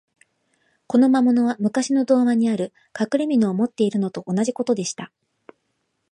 この魔物は、むかしの童話にある、かくれみのを持っているのと同じことでした。